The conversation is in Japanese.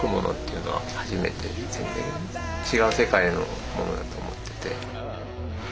違う世界のものだと思ってて。